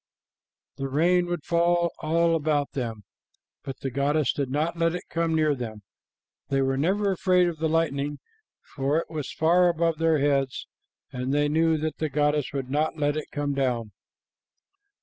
The rain would fall all about them, but the goddess did not let it come near them. They were never afraid of the lightning, for it was far above their heads, and they knew that the goddess would not let it come down.